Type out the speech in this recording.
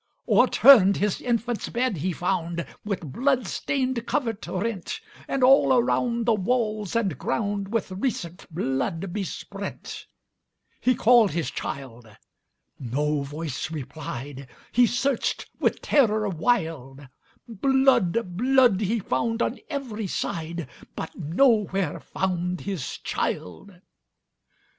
O'erturned his infant's bed he found, With blood stained covert rent; And all around the walls and groundWith recent blood besprent. He called his child,—no voice replied,—He searched with terror wild; Blood, blood, he found on every side, But nowhere found his child.